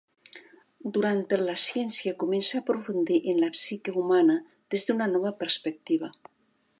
Durant el la ciència comença a aprofundir en la psique humana des d'una nova perspectiva.